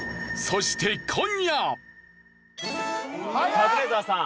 カズレーザーさん。